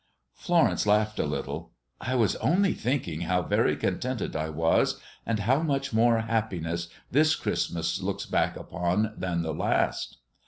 '" Florence laughed a little: "I was only thinking how very contented I was, and how much more happiness this Christmas looks back upon than the last."